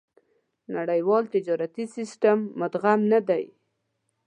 نړيوال تجارتي سېسټم مدغم نه دي.